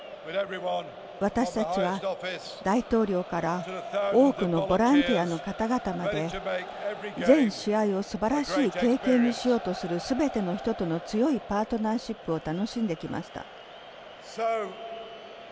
私たちは、大統領から多くのボランティアの方々まで全試合をすばらしい経験にしようとする、すべての人との強いパートナーシップを楽しんできました。